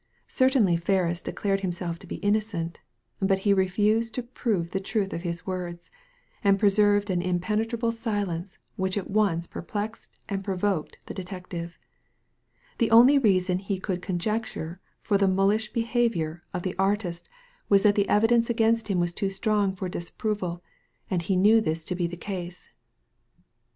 Certainly Ferris declared himself to be innocent ; but he refused to prove the truth of his words, and pre served an impenetrable silence which at once per* plexed and provoked the detective. The only reason he could conjecture for the mulish behaviout of the Digitized by Google A SURPRISING DISCOVERY 141 artist was that the evidence against him was too strong for disproval, and that he knew this to be the case.